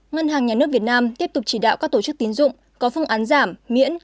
ngân hàng nhà nước việt nam tiếp tục chỉ đạo các tổ chức tín dụng có phương án giảm miễn